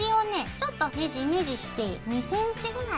ちょっとネジネジして２ｃｍぐらい。